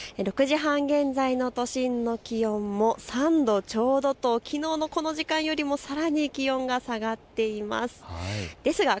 ６時半現在の都心の気温も３度ちょうどときのうのこの時間よりもさらに気温が下がっています。